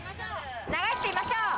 流してみましょう。